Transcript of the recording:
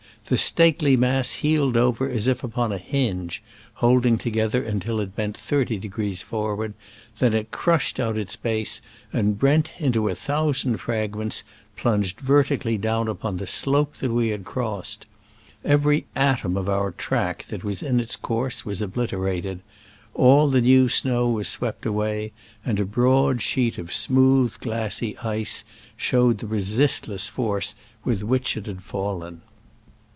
The stately mass heeled over as if upon a hinge (holding together until it bent thirty degrees forward), then it crushed out its base, and, rent into a thousand fragments, plunged vertically down upon the slope that we had crossed ! Every • atom of our track that was in its course was obliterated : all the new snow was swept away, and a broad sheet of smooth, glassy ice showed the resistiess force with which it had fallen.